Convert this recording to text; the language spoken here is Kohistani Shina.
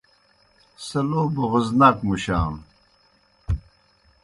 سہ لو بُغض ناک مُشانوْ۔